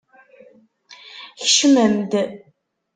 Kecmem-d.